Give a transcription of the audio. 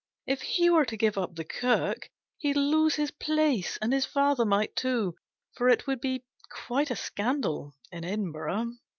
If he were to give up the Kirk, he'd lose his place, and his father might too, for it would be quite a scandal in Edinburgh.